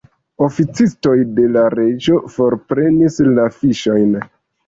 Oficistoj de la reĝo forprenis la fiŝojn.